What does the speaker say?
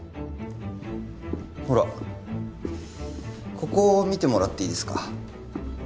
ほらここを見てもらっていいですか？